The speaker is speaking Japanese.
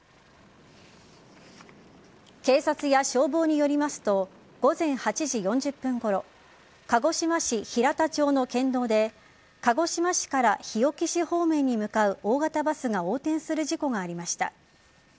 警察や消防によりますと午前８時４０分頃鹿児島市平田町の県道で鹿児島市から日置市方面に向かう大型バスが横転する事故がありました。